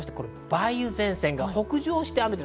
梅雨前線が北上して雨と。